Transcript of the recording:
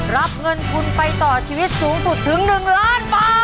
รับเงินทุนไปต่อชีวิตสูงสุดถึง๑ล้านบาท